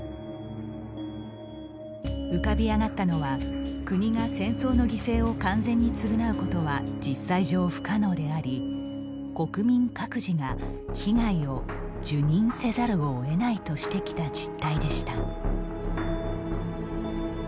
浮かび上がったのは国が戦争の犠牲を完全に償うことは実際上不可能であり国民各自が被害を受忍せざるをえないとしてきた実態でした。